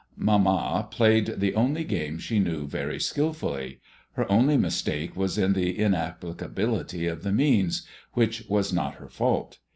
Mamma played the only game she knew very skilfully. Her only mistake was in the inapplicability of the means, which was not her fault.